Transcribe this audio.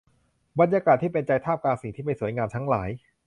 บรรยากาศที่เป็นใจท่ามกลางสิ่งที่ไม่สวยงามทั้งหลาย